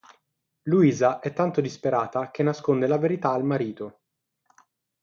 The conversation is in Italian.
Luisa è tanto disperata che nasconde la verità al marito.